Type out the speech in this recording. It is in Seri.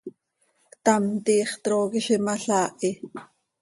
Ctam, tiix trooqui z imalaahi.